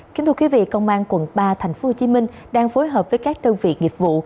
kính thưa quý vị công an quận ba tp hcm đang phối hợp với các đơn vị nghiệp vụ